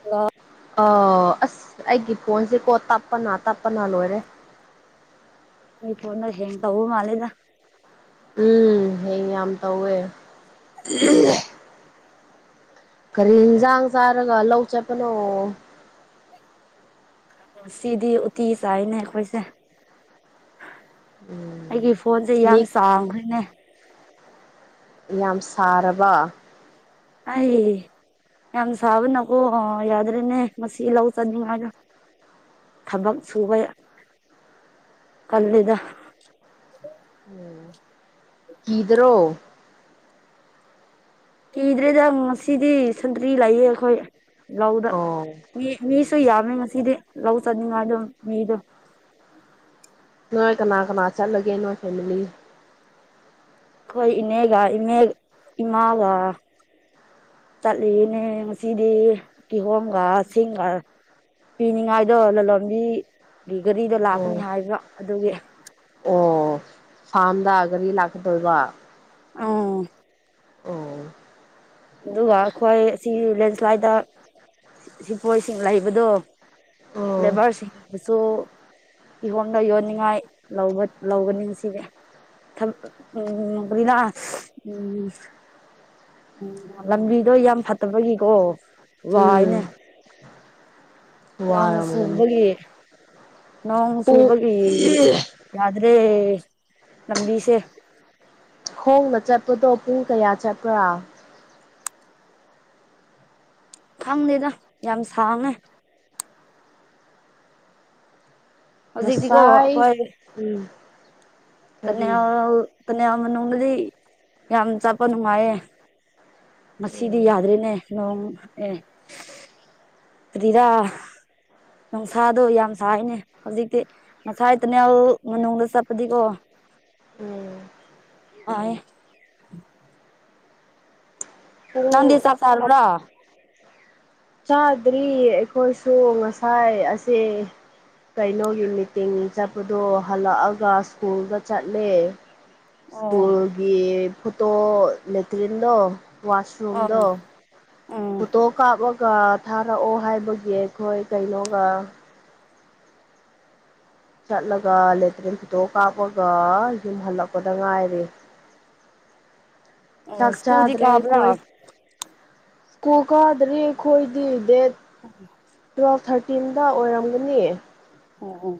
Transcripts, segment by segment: hello ꯑꯣ ꯑꯁ ꯑꯩꯒꯤ ꯐꯣꯟꯁꯦꯀꯣ ꯇꯞꯄꯅ ꯇꯞꯄꯅ ꯂꯣꯏꯔꯦ ꯑꯩ ꯐꯣꯟꯗꯣ ꯍꯦꯡ ꯇꯧꯕ ꯃꯥꯂꯦꯗ ꯎꯝ ꯍꯦꯡ ꯌꯥꯝ ꯇꯧꯋꯦ ꯀꯔꯤ ꯏꯟꯖꯥꯡ ꯆꯥꯔꯒ ꯂꯧ ꯆꯠꯄꯅꯣ ꯉꯥꯁꯤꯗꯤ ꯎꯇꯤ ꯆꯥꯏꯅꯦ ꯑꯩꯈꯣꯏꯁꯦ ꯎꯝ ꯑꯩꯒꯤ ꯐꯣꯟꯁꯦ ꯌꯥꯝ ꯃꯤ ꯆꯥꯎꯈ꯭ꯔꯤꯅꯦ ꯌꯥꯝ ꯁꯥꯔꯕ ꯑꯩ ꯌꯥꯝ ꯁꯥꯕ ꯅꯒꯣ ꯌꯥꯗ꯭ꯔꯦꯅꯦ ꯃꯁꯤ ꯂꯧ ꯆꯅꯤ ꯉꯥꯏꯔꯣ ꯊꯕꯛ ꯁꯨꯕꯩ ꯀꯜꯂꯤꯗ ꯎꯝ ꯀꯤꯗ꯭ꯔꯣ ꯀꯤꯗ꯭ꯔꯦꯗ ꯉꯁꯤꯗꯤ ꯁꯟꯇ꯭ꯔꯤ ꯂꯩꯌꯦ ꯑꯩꯈꯣꯏ ꯂꯧꯗ ꯑꯣ ꯃꯤ ꯃꯤꯁꯨ ꯌꯥꯝꯃꯤ ꯉꯁꯤꯗꯤ ꯂꯧ ꯆꯠꯅꯤꯡꯉꯥꯏꯗꯣ ꯃꯤꯗꯣ ꯅꯣꯏ ꯀꯅꯥ ꯀꯅꯥ ꯆꯠꯂꯒꯦ ꯅꯣꯏ ꯐꯦꯃꯤꯂꯤ ꯑꯩꯈꯣꯏ ꯏꯅꯦꯒ ꯏꯅꯦ ꯏꯃꯥꯒ ꯆꯠꯂꯤꯅꯦ ꯉꯁꯤꯗꯤ ꯀꯤꯍꯣꯝꯒ ꯁꯤꯡꯒ ꯄꯤꯅꯤꯡꯉꯥꯏꯗꯣ ꯂꯂꯣꯟꯕꯤꯒꯤ ꯒꯥꯔꯤꯗ ꯑꯣ ꯂꯥꯛꯄꯅꯤ ꯍꯥꯏꯕ ꯑꯗꯨꯒꯤ ꯑꯣ ꯐꯥꯝꯗ ꯒꯥꯔꯤ ꯂꯥꯛꯀꯗꯣꯏꯕ ꯑꯧ ꯑꯣ ꯑꯗꯨꯒ ꯑꯩꯈꯣꯏ ꯁꯤ ꯂꯦꯟꯁ꯭ꯂꯥꯏꯠꯇ ꯁꯤ ꯁꯤꯐꯣꯏꯁꯤꯡ ꯂꯩꯕꯗꯣ ꯑꯣ ꯂꯦꯕꯔꯁꯤꯡꯅꯁꯨ ꯏꯍꯣꯝꯗ ꯌꯣꯟꯅꯤꯡꯉꯥꯏ ꯂꯧꯒ ꯂꯧꯒꯅꯤ ꯁꯤꯅꯦ ꯊꯝ ꯑꯥ ꯎꯝ [unintelligible] ꯎꯝ ꯎꯝ ꯂꯝꯕꯤꯗꯣ ꯌꯥꯝ ꯐꯠꯇꯕꯒꯤꯀꯣ ꯋꯥꯏꯅꯦ ꯎꯝ ꯅꯣꯡ ꯋꯥꯔꯝꯒꯅꯤ ꯁꯨꯕꯒꯤ ꯄꯨꯡ ꯅꯣꯡꯆꯨꯕꯥꯒꯤ ꯌꯥ꯭ꯗꯔꯦ ꯂꯝꯕꯤꯁꯦ ꯈꯣꯡꯅ ꯆꯠꯄꯗꯣ ꯄꯨꯡ ꯀꯌꯥ ꯆꯠꯄ꯭ꯔꯥ ꯈꯪꯗꯦꯗ ꯌꯥꯝ ꯁꯥꯡꯉꯦ ꯍꯧꯖꯤꯛꯇꯤꯀꯣ ꯉꯁꯥꯏ ꯎꯝ ꯀꯔꯤ ꯇꯟꯅꯦꯜ ꯇꯥꯟꯅꯦꯜ ꯃꯅꯨꯡꯗꯗꯤ ꯌꯥꯝ ꯆꯥꯄ ꯅꯨꯡꯉꯥꯏꯌꯦ ꯉꯥꯁꯤꯗꯤ ꯎꯝ ꯌꯥꯗ꯭ꯔꯦꯅꯦ ꯅꯣꯡ ꯑꯦ ꯑꯗꯤꯔꯥ ꯅꯨꯡꯁꯥꯗꯣ ꯌꯥꯝ ꯁꯥꯏꯅꯦ ꯍꯧꯖꯤꯛꯇꯤ ꯉꯁꯥꯏ ꯇꯜꯅꯦꯜ ꯃꯅꯨꯡꯗ ꯆꯠꯄꯗꯤꯀꯣ ꯎꯝ [unintelligible] ꯅꯪꯗꯤ ꯄꯨꯡ ꯆꯥꯛ ꯆꯥꯔꯕ꯭ꯔꯥ ꯆꯥꯗ꯭ꯔꯤ ꯑꯩꯈꯣꯏꯁꯨ ꯉꯁꯥꯏ ꯑꯁꯦ ꯀꯩꯅꯣꯒꯤ ꯃꯤꯇꯤꯡꯅꯤ ꯆꯠꯄꯗꯣ ꯍꯥꯂꯛꯑꯒ ꯁ꯭ꯀꯨꯜꯗ ꯆꯠꯂꯦ ꯑꯣ ꯁ꯭ꯀꯨꯜꯒꯤ ꯐꯣꯇꯣ ꯂꯦꯇ꯭ꯔꯤꯟꯗꯣ ꯑꯣ ꯋꯥꯁꯔꯨꯝꯗꯣ ꯎꯝ ꯐꯣꯇꯣ ꯀꯥꯞꯄꯒ ꯊꯥꯔꯛꯑꯣ ꯍꯥꯏꯕꯒꯤ ꯑꯈꯣꯏ ꯀꯩꯅꯣꯒ ꯆꯠꯂꯒ ꯂꯦꯇ꯭ꯔꯤꯟ ꯐꯣꯇꯣ ꯀꯥꯞꯄꯒ ꯌꯨꯝ ꯍꯥꯂꯛꯄꯗ ꯉꯥꯏꯔꯤ ꯑꯣ ꯆꯥꯛ ꯁ꯭ꯀꯨꯜꯗꯤ ꯆꯥꯗ꯭ꯔꯦ ꯀꯕ꯭ꯔꯥ ꯀꯨꯜ ꯀꯥꯗ꯭ꯔꯤ ꯑꯈꯣꯏꯗꯤ ꯗꯦꯠ [inaudible] ꯇꯨꯋꯦꯜꯐ ꯊꯥꯔꯇꯤꯟꯗ ꯑꯣꯏꯔꯝꯒꯅꯤ ꯑꯣ ꯑꯣ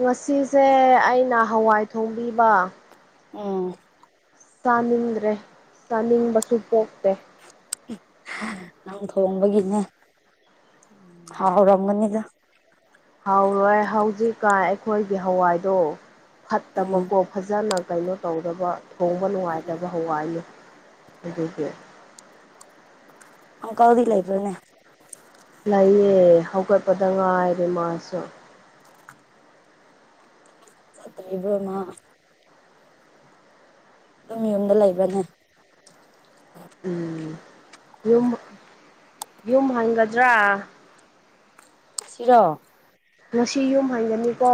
ꯉꯁꯤꯁꯦ ꯑꯩꯅ ꯍꯋꯥꯏ ꯊꯣꯡꯕꯤꯕ ꯑꯥ ꯆꯥꯅꯤꯡꯗ꯭ꯔꯦ ꯆꯥꯅꯤꯡꯕꯁꯨ ꯄꯣꯛꯇꯦ ꯅꯪ ꯊꯣꯡꯕꯒꯤꯅꯦ ꯍꯥꯎꯔꯝꯒꯅꯤꯗ ꯍꯥꯎꯔꯣꯏ ꯍꯧꯖꯤꯛꯀꯥꯟ ꯑꯈꯣꯏꯒꯤ ꯍꯋꯥꯏꯗꯣ ꯎꯝ ꯐꯠꯇꯕꯀꯣ ꯐꯖꯅ ꯀꯩꯅꯣ ꯇꯧꯗꯕ ꯊꯣꯡꯕ ꯅꯨꯡꯉꯥꯏꯇꯕ ꯍꯋꯥꯏꯅꯦ ꯑꯗꯨꯒꯤ ꯑꯪꯀꯜꯗꯤ ꯂꯩꯕ꯭ꯔꯥꯅꯦ ꯂꯩꯌꯦ ꯍꯧꯒꯠꯄꯗ ꯉꯥꯏꯔꯤ ꯃꯥꯁꯨ ꯍꯧꯒꯠꯇ꯭ꯔꯤꯕ꯭ꯔꯣ ꯃꯥ ꯑꯗꯨꯝ ꯌꯨꯝꯗ ꯂꯩꯕ꯭ꯔꯅꯦ ꯎꯝ ꯌꯨꯝ ꯌꯨꯝ ꯍꯟꯒꯗ꯭ꯔꯥ ꯁꯤꯔꯣ ꯉꯁꯤ ꯌꯨꯝ ꯍꯥꯟꯒꯅꯤꯀꯣ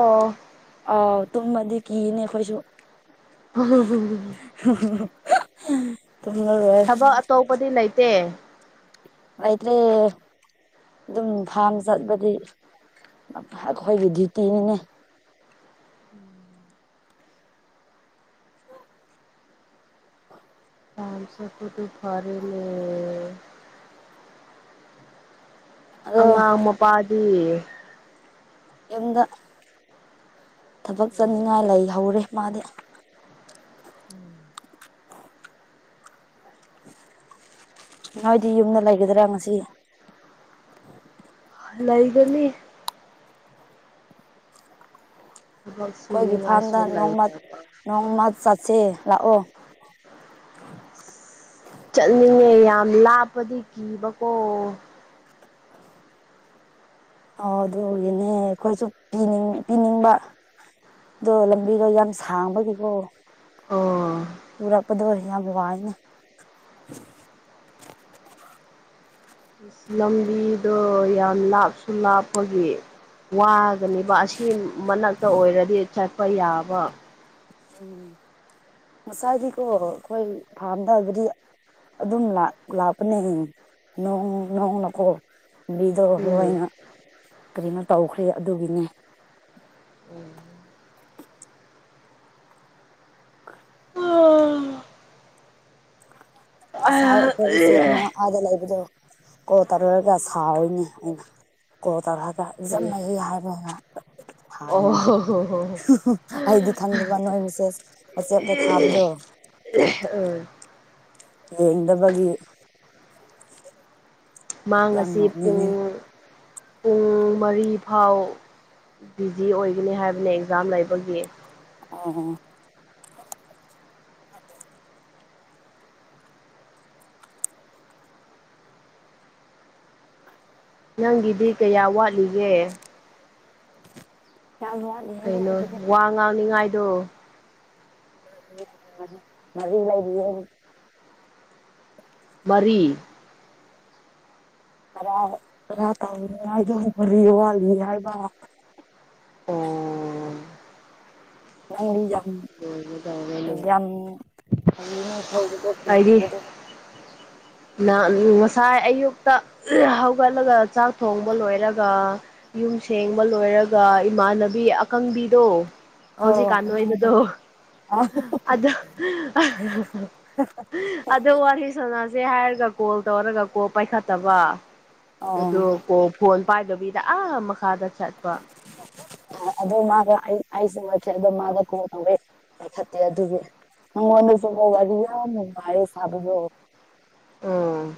ꯑꯥꯎ ꯇꯨꯝꯃꯗꯤ ꯀꯤꯅꯦ ꯑꯩꯈꯣꯏꯁꯨ [unintelligible] [unintelligible] ꯇꯨꯝꯂꯂꯣꯏ ꯊꯕꯛ ꯑꯇꯣꯞꯄꯗꯤ ꯂꯩꯇꯦ ꯂꯩꯇ꯭ꯔꯦ ꯑꯗꯨꯝ ꯐꯥꯝ ꯆꯠꯄꯗꯤ ꯑꯈꯣꯏꯒꯤ ꯗ꯭ꯌꯨꯇꯤꯅꯤꯅꯦ ꯐꯥꯝ ꯆꯠꯄꯗꯨꯨ ꯐꯥꯔꯦꯅꯦ ꯑꯗꯣ ꯑꯉꯥꯡ ꯃꯄꯥꯗꯤ ꯌꯨꯝꯗ ꯊꯕꯛ ꯆꯠꯅꯤꯡꯉꯥꯏ ꯂꯩꯍꯧꯔꯦ ꯃꯥꯗꯤ ꯎꯝ ꯅꯣꯏꯗꯤ ꯌꯨꯝꯗ ꯂꯩꯒꯗ꯭ꯔ ꯉꯁꯤ ꯂꯩꯒꯅꯤ ꯊꯕꯛ ꯈꯣꯏꯒꯤ ꯐꯥꯔꯝꯗ ꯁꯨꯅꯤꯡꯉꯥꯏꯁꯨ ꯅꯣꯡꯃ ꯂꯩꯇꯕ ꯅꯣꯡꯃ ꯆꯠꯁꯦ ꯂꯥꯛꯑꯣ ꯆꯠꯅꯤꯡꯉꯦ ꯌꯥꯝ ꯂꯥꯞꯄꯗꯤ ꯀꯤꯕꯀꯣ ꯑꯣ ꯑꯗꯨꯒꯤꯅꯦ ꯈꯣꯏꯁꯨ ꯄꯤꯅꯤꯡ ꯄꯤꯅꯤꯡꯕ ꯑꯗꯣ ꯂꯝꯕꯤꯗꯣ ꯌꯥꯝ ꯁꯥꯡꯕꯒꯤꯀꯣ ꯑꯣ ꯄꯨꯔꯛꯄꯗꯣ ꯌꯥꯝ ꯋꯥꯏꯅꯦ ꯂꯝꯕꯤꯗꯣ ꯌꯥꯝ ꯂꯥꯞꯁꯨ ꯂꯥꯞꯄꯒꯤ ꯋꯥꯒꯅꯤꯕ ꯑꯁꯤ ꯃꯅꯥꯛꯇ ꯑꯣꯏꯔꯗꯤ ꯆꯠꯄ ꯌꯥꯕ ꯎꯝ ꯉꯁꯥꯏꯗꯤꯀꯣ ꯑꯩꯈꯣꯏ ꯐꯥꯔꯝꯗꯒꯗꯤ ꯑꯗꯨꯝ ꯂꯥꯛ ꯂꯥꯛꯄꯅꯦ ꯅꯣꯡ ꯅꯣꯡ ꯅꯀꯣ ꯕꯤꯗꯣ ꯎꯝ ꯂꯣꯏꯅ ꯀꯔꯤꯅꯣ ꯇꯧꯈ꯭ꯔꯦ ꯑꯗꯨꯒꯤꯅꯤ ꯎꯝ ꯈ ꯉꯁꯥꯏ ꯑꯩꯈꯣꯏꯕꯁꯦ ꯑꯃꯅ ꯑꯥꯗ ꯂꯩꯕꯗꯣ ꯀꯣꯜ ꯇꯧꯔꯛꯔꯒ ꯁꯥꯎꯏꯅꯦ ꯑꯩꯅ ꯀꯣꯜ ꯇꯧꯔꯛꯑꯒ ꯔꯤꯆꯝꯅꯩꯩ ꯍꯤ ꯍꯥꯏꯕꯅ ꯉꯥꯛꯇ ꯑꯣ ꯑꯩꯗꯤ ꯈꯪꯗꯕ ꯅꯣꯏ ꯃꯤꯁꯦꯁ ꯋꯥꯆꯦꯞꯇ ꯊꯥꯕꯗꯣ ꯎꯝ ꯌꯦꯗꯕꯒꯤ ꯃꯥ ꯌꯥꯝ ꯑꯁꯤ ꯅꯣꯛꯅꯤꯡꯉꯦ ꯄꯨꯡ ꯄꯨꯡ ꯃꯔꯤ ꯐꯥꯎ ꯕꯤꯖꯤ ꯑꯣꯏꯒꯅꯤ ꯍꯥꯏꯕꯅꯦ ꯑꯦꯛꯖꯥꯝ ꯂꯩꯕꯒꯤ ꯑꯣ ꯅꯪꯒꯤꯗꯤ ꯀꯌꯥ ꯋꯥꯠꯂꯤꯒꯦ ꯌꯥꯝꯋꯥꯠ ꯀꯩꯅꯣ ꯋꯥ ꯉꯥꯡꯅꯤꯉꯥꯏꯗꯣ ꯃꯔꯤ ꯂꯩꯔꯤꯌꯦ ꯃꯔꯤ ꯇꯔꯥ ꯇꯔꯥ ꯇꯧꯅꯤ ꯍꯥꯏꯕ ꯃꯔꯤ ꯋꯥꯠꯅꯤ ꯍꯥꯏꯕ ꯑꯣ ꯅꯪꯗꯤ ꯌꯥꯝ ꯂꯣꯏꯒꯗꯧꯔꯦꯅꯦ ꯌꯥꯝ ꯍꯥꯢꯅꯤꯡ ꯊꯧꯕꯗꯣ ꯊꯧꯕꯗꯣ ꯅ ꯉꯁꯥꯏ ꯑꯌꯨꯛꯇ ꯍꯧꯒꯠꯂꯒ ꯆꯥꯛ ꯊꯣꯡꯕ ꯂꯣꯏꯔꯒ ꯌꯨꯝ ꯁꯦꯡꯕ ꯂꯣꯏꯔꯒ ꯏꯃꯥꯟꯅꯕꯤ ꯑꯀꯪꯕꯤꯗꯣ ꯑꯣ ꯍꯧꯖꯤꯛꯀꯥꯟ ꯅꯣꯏꯕꯗꯣ ꯑꯗꯣ ꯑꯗꯣ ꯋꯥꯔꯤ ꯁꯥꯟꯅꯁꯦ ꯍꯥꯏꯔꯒ ꯀꯣꯜ ꯇꯧꯔꯒ ꯀꯣꯜ ꯄꯥꯏꯈꯠꯇꯕ ꯑꯩꯗꯣ ꯑꯣ ꯀꯣꯜ ꯐꯣꯟ ꯄꯥꯏꯗꯕꯤꯗ ꯑꯥ ꯃꯈꯥꯗ ꯆꯠꯄ ꯑꯗꯨꯗ ꯃꯥꯒ ꯑꯩꯁꯨ ꯃꯆꯦꯗꯣ ꯃꯥꯒ ꯀꯣꯜ ꯇꯋꯦ ꯄꯥꯢ ꯈꯠꯇꯦ ꯑꯗꯨꯒꯤ ꯅꯪꯉꯣꯟꯗꯁꯨꯕ ꯋꯥꯔꯤ ꯌꯥꯝ ꯅꯨꯡꯉꯥꯢꯔꯦ ꯁꯥꯕꯗꯨ ꯎꯝ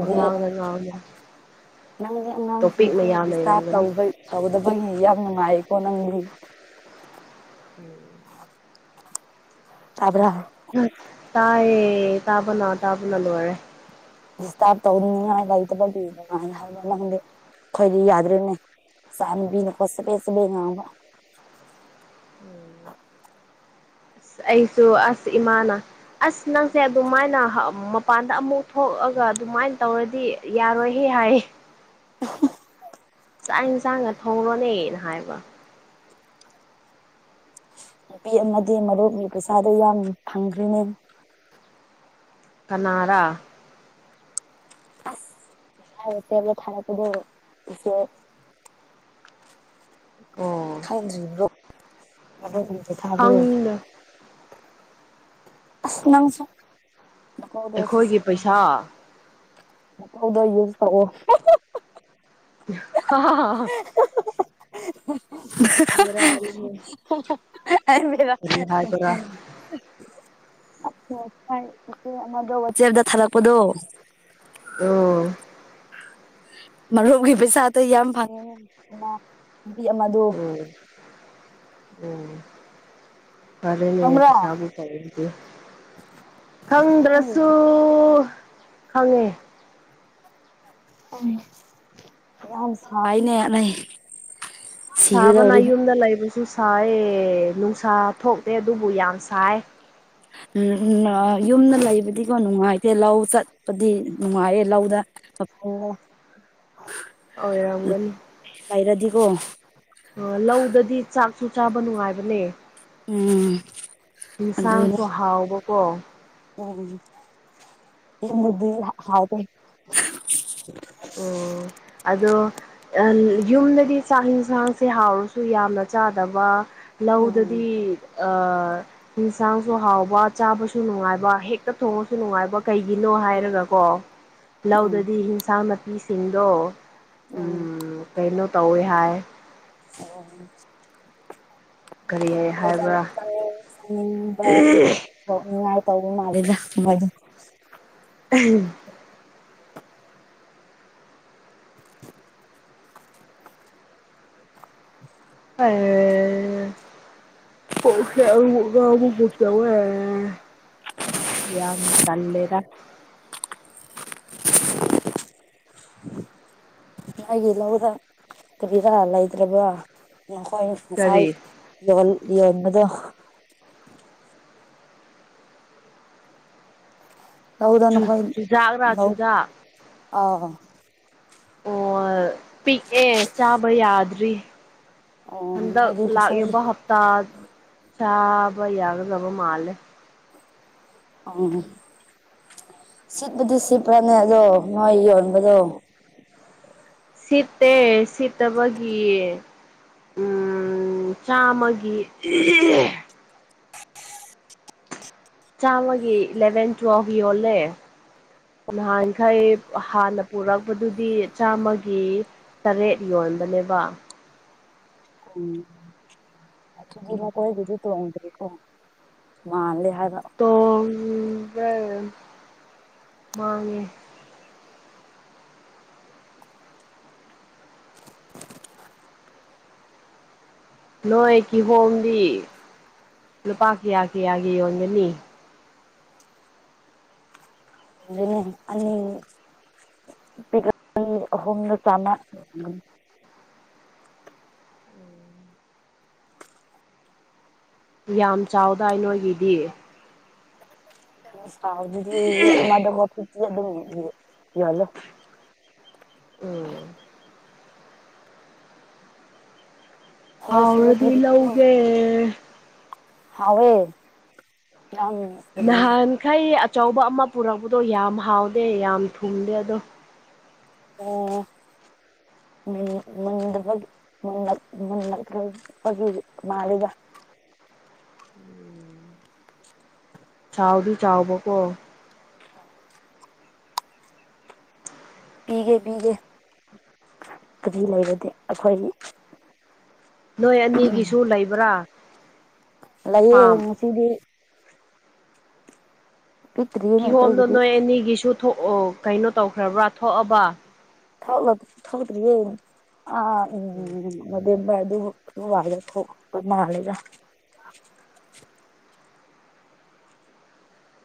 ꯄꯉꯥꯡꯗ ꯉꯥꯡꯉꯦ ꯅꯪꯒꯤ ꯇꯣꯄꯤꯛ ꯑꯉꯥꯡꯁꯤꯡꯁꯨ ꯃꯌꯥꯝ ꯗꯤꯁꯇꯥꯔꯕ ꯂꯩꯔꯝꯒꯅꯤ ꯇꯧꯕꯩ ꯇꯧꯗꯕꯒꯤ ꯌꯥꯝ ꯅꯨꯡꯉꯥꯏꯀꯣ ꯅꯪꯗꯤ ꯎꯝ ꯇꯥꯕ꯭ꯔꯥ ꯇꯥꯏꯌꯦ ꯇꯥꯕꯅ ꯇꯥꯕꯅ ꯂꯣꯢꯔꯦ ꯗꯤꯁꯇꯥꯔꯕ ꯇꯧꯅꯤꯡꯉꯥꯏ ꯂꯩꯇꯕꯒꯤ ꯅꯨꯡꯉꯥꯢ ꯍꯥꯏꯕ ꯅꯪꯗꯤ ꯑꯩꯈꯣꯏꯗꯤ ꯌꯥꯗ꯭ꯔꯤꯅꯦ ꯆꯥꯟꯕꯤꯅ ꯀꯣ ꯆꯕꯦꯠ ꯆꯕꯦꯠ ꯉꯥꯡꯕ ꯎꯝ ꯑꯩꯁꯨ ꯑꯁ ꯏꯃꯥꯅ ꯑꯁ ꯅꯪꯁꯦ ꯑꯗꯨꯃꯥꯏꯅ ꯍꯥ ꯃꯄꯥꯟꯗ ꯑꯃꯨꯛ ꯊꯣꯛꯑꯒꯥ ꯑꯗꯨꯃꯥꯏꯟ ꯇꯧꯔꯗꯤ ꯌꯥꯔꯣꯏꯍꯦ ꯍꯥꯏ [unintelligible] ꯆꯥꯛ ꯏꯟꯁꯥꯡꯒ ꯊꯣꯡꯔꯣꯅꯦꯅ ꯍꯥꯏꯕ ꯅꯨꯄꯤ ꯑꯃꯗꯤ ꯃꯔꯨꯞꯒꯤ ꯄꯩꯁꯥꯗꯣ ꯌꯥꯝ ꯐꯪꯈ꯭ꯔꯤꯅꯦ ꯀꯅꯥꯔꯥ ꯑꯁ ꯉꯁꯥꯏ ꯁ꯭ꯇꯦꯞꯂꯔ ꯊꯥꯔꯛꯄꯗꯣ ꯏꯆꯦ ꯑꯣ ꯈꯪꯗ꯭ꯔꯤꯕ꯭ꯔꯣ ꯃꯔꯨꯞꯒꯤ ꯄꯩꯁꯥꯗꯣ ꯈꯪꯗꯦ ꯑꯁ ꯅꯪꯁꯨ ꯅꯀꯧꯗꯣ ꯑꯩꯈꯣꯏꯒꯤ ꯄꯩꯁꯥ ꯁꯤꯖꯤꯟꯅꯧꯋꯦ [unintelligible] ꯌꯨꯁ ꯇꯧꯋꯣ [unintelligible] [unintelligible] [unintelligible] ꯕꯦꯔꯥꯅꯤꯍꯦ ꯑꯁ ꯀꯔꯤ ꯍꯥꯏꯕ꯭ꯔꯥ ꯉꯁꯥꯏ ꯏꯆꯦ ꯑꯃꯗꯣ ꯋꯥꯆꯦꯞꯇꯥ ꯊꯥꯂꯛꯄꯗꯣ ꯂꯣ ꯃꯔꯨꯞꯒꯤ ꯄꯩꯁꯥꯗ ꯌꯥꯝ ꯐꯪꯉꯦ ꯅ ꯅꯨꯄꯤ ꯑꯃꯗꯣ ꯎꯝ ꯎꯝ ꯐꯥꯔꯦꯅꯦ ꯈꯪꯕ꯭ꯔꯥ ꯄꯩꯁꯥꯕꯨ [unintelligible] ꯈꯪꯗ꯭ꯔꯥꯁꯨ ꯈꯪꯉꯦ ꯎꯝ ꯌꯥꯝ ꯁꯥꯏꯅꯦ ꯑꯅꯩ ꯁꯥꯕꯅ ꯌꯨꯝꯗ ꯂꯩꯕꯁꯨ ꯁꯥꯏ ꯅꯨꯡꯁꯥ ꯊꯣꯛꯇꯦ ꯑꯗꯨꯕꯨ ꯌꯥꯝ ꯁꯥꯏ ꯎꯝ ꯑꯥ ꯌꯨꯝꯗ ꯂꯩꯕꯗꯤꯀꯣ ꯅꯨꯡꯉꯥꯏꯇꯦ ꯂꯧ ꯆꯠꯄꯗꯤ ꯅꯨꯡꯉꯥꯏꯌꯦ ꯂꯧꯗꯥ [unintelligible] ꯑꯣꯏꯔꯝꯒꯥꯅꯤ ꯂꯩꯔꯥꯗꯤꯀꯣ ꯑꯥ ꯂꯧꯗꯗꯤ ꯆꯥꯛꯁꯨ ꯆꯥꯕ ꯅꯨꯡꯉꯥꯏꯕꯅꯦ ꯎꯝ ꯑꯗꯨꯅꯦ ꯏꯟꯁꯥꯡꯁꯨ ꯍꯥꯎꯕꯀꯣ ꯎꯝ ꯌꯨꯝꯗꯥꯗꯤ ꯍꯥ ꯍꯥꯎꯇꯦ ꯑꯣ ꯑꯗꯣ ꯑꯥ ꯌꯨꯝꯗꯗꯤ ꯆꯥꯛ ꯍꯤꯟꯁꯥꯡꯁꯦ ꯍꯥꯎꯔꯁꯨ ꯌꯥꯝꯅ ꯆꯥꯗꯕ ꯎꯝ ꯂꯧꯗꯥꯗꯤ ꯑꯥ ꯍꯤꯟꯁꯥꯡꯁꯨ ꯍꯥꯎꯕ ꯆꯥꯕꯁꯨ ꯅꯨꯡꯉꯥꯏꯕ ꯍꯦꯛꯇꯥ ꯊꯣꯡꯉꯁꯨ ꯅꯨꯡꯉꯥꯏꯕ ꯀꯩꯒꯤꯅꯣ ꯎꯝ ꯍꯥꯏꯔꯒꯥꯀꯣ ꯎꯝ ꯂꯧꯗꯗꯤ ꯍꯤꯟꯁꯥꯡ ꯅꯥꯄꯤꯁꯤꯡꯗꯣ ꯎꯝ ꯀꯩꯅꯣ ꯇꯧꯋꯦ ꯍꯥꯏ [unintelligible] ꯀꯔꯤ ꯍꯣꯏ ꯆꯥꯅꯤ ꯍꯥꯏꯕ꯭ꯔꯥ ꯆꯅꯤꯡ ꯆꯅꯤꯡꯕ ꯊꯣꯛꯅꯤꯡꯉꯥꯏ ꯇꯧꯕ ꯃꯥꯜꯂꯦꯗꯥ ꯃꯣꯏꯗꯤ ꯑꯥꯍꯝ [unintelligible] ꯀꯣꯛꯁꯦ ꯑꯃꯨꯃꯨꯛ ꯉꯥꯎꯕꯒꯨ ꯇꯧꯋꯦ ꯌꯥꯝ ꯇꯜꯂꯦꯗꯥ [inaudible] ꯅꯑꯩꯒꯤ ꯂꯧꯗꯥ ꯀꯔꯤꯔꯥ ꯂꯩꯇ꯭ꯔꯥꯕ ꯅꯣꯈꯣꯏ ꯉꯁꯥꯏ ꯀꯔꯤ ꯗꯣꯟ ꯌꯦꯡꯕꯗꯣ ꯂꯧꯗ ꯅꯈꯣꯏ ꯆꯨꯖꯥꯛꯔꯥ ꯂꯧ ꯆꯨꯖꯥꯛ ꯑ ꯑꯣ ꯄꯤꯛꯑꯦ ꯆꯥꯕ ꯌꯥꯗ꯭ꯔꯤ ꯑꯣ ꯍꯟꯗꯛ ꯅꯣꯏꯒꯤ ꯄꯩꯁꯥꯒꯤ ꯂꯥꯛꯏꯕ ꯍꯞꯇꯥ ꯆꯥꯕ ꯌꯥꯒꯗꯕ ꯃꯥꯜꯂꯦ ꯎꯝ ꯁꯤꯠꯄꯨꯗꯤ ꯁꯤꯠꯄꯅꯦ ꯑꯗꯣ ꯅꯣꯏ ꯌꯣꯟꯕꯗꯣ ꯁꯤꯠꯇꯦ ꯁꯤꯠꯇꯕꯒꯤ ꯎꯝ ꯆꯥꯝꯃꯒꯤ ꯆꯥꯝꯃꯒꯤ ꯏꯂꯚꯦꯟ ꯇꯨꯌꯦꯜꯐ ꯌꯣꯜꯂꯦ ꯅꯍꯥꯟꯈꯩ ꯍꯥꯟꯅ ꯄꯨꯔꯛꯄꯗꯨꯗꯤ ꯆꯥꯝꯃꯒꯤ ꯇꯔꯦꯠ ꯌꯣꯟꯕꯅꯦꯕ ꯎꯝ ꯑꯗꯨꯗꯤ ꯃꯈꯣꯏꯗꯨꯗꯤ ꯇꯣꯡꯗ꯭ꯔꯦꯀꯣ ꯃꯥꯜꯂꯦ ꯍꯥꯏꯕ ꯇꯣꯡꯕ꯭ꯔꯥ ꯃꯥꯡꯉꯦ ꯅꯣꯏ ꯀꯤꯍꯣꯝꯗꯤ ꯂꯨꯄꯥ ꯀꯌꯥ ꯀꯌꯥꯒꯤ ꯌꯣꯟꯒꯅꯤ ꯌꯣꯟꯗꯣꯏꯅꯦ ꯑꯅꯤ ꯄꯤ ꯑꯅꯤ ꯑꯍꯨꯝꯗ ꯆꯥꯝꯃ ꯌꯥꯝ ꯆꯥꯎꯗꯥꯏ ꯅꯣꯏꯒꯤꯗꯤ ꯆꯥꯎꯗꯗꯤ ꯑꯃꯗ ꯀꯣ ꯐꯤꯐꯇꯤ ꯑꯗꯨꯝ ꯌꯣꯜꯂꯦ ꯎꯝ ꯍꯣꯜꯁꯦꯜ ꯍꯥꯎꯔꯗꯤ ꯄꯤꯔꯗꯤꯀꯣ ꯂꯧꯒꯦ ꯍꯥꯎꯋꯦ ꯅꯪ ꯅꯍꯥꯟꯈꯩ ꯑꯆꯧꯕ ꯑꯃ ꯄꯨꯔꯛꯄꯗꯣ ꯌꯥꯝ ꯍꯥꯎꯗꯦ ꯌꯥꯝ ꯊꯨꯝꯗꯦ ꯑꯗꯣ ꯑꯣ ꯃꯨꯟ ꯃꯨꯟꯗꯕꯒꯤ ꯃꯨꯟꯜꯛ ꯃꯨꯟ ꯑꯗꯨ ꯃꯥꯜꯂꯤꯗ ꯆꯥꯎꯗꯤ ꯆꯥꯎꯕꯀꯣ ꯄꯤꯒꯦ ꯄꯤꯒꯦ ꯑꯗꯨ ꯂꯩꯔꯗꯤ ꯑꯈꯣꯏꯒꯤ ꯅꯣꯏ ꯑꯅꯤꯒꯤꯁꯨ ꯂꯩꯕ꯭ꯔꯥ ꯂꯩꯌꯦ ꯐꯥꯝ ꯉꯁꯤꯗꯤ ꯄꯤꯛꯇ꯭ꯔꯤꯌꯦꯅꯦ ꯀꯤꯍꯣꯝꯗꯣ ꯑꯩꯈꯣꯏꯒꯤꯗꯤ ꯅꯣꯏ ꯑꯅꯤꯒꯤꯁꯨ ꯊꯣꯛꯑꯣ ꯀꯩꯅꯣ ꯇꯧꯈ꯭ꯔꯕ꯭ꯔꯥ ꯊꯣꯛꯑꯕ ꯊꯣꯛꯂꯣ ꯊꯣꯛꯇ꯭ꯔꯤꯌꯦ ꯑꯥ ꯍꯣꯏ ꯎꯝ ꯅꯕꯦꯝꯕꯔ ꯑꯗꯨꯕꯣꯛ ꯑꯗꯨ ꯃꯥꯜꯂꯦ ꯊꯣꯛ ꯑꯗꯨ ꯃꯥꯜꯂꯦꯗ